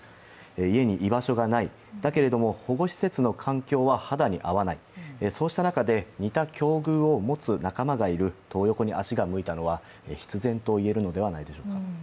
家に居場所がない、だけれども、保護施設の環境は肌に合わない、そうした中で似た境遇を持つ仲間がいるトー横に足が向いたのは必然と言えるのではないでしょうか。